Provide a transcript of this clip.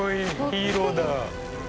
ヒーローだ。